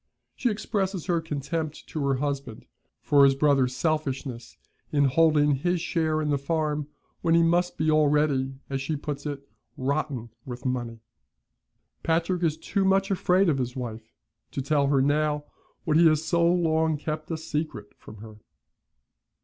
She expresses her contempt to her husband for his brother's selfishness in holding his share in the farm, when he must be already, as she puts it, 'rotten with money.' Patrick is too much afraid of his wife to tell her now what he has so long kept a secret from her.